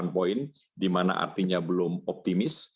dua puluh delapan poin di mana artinya belum optimis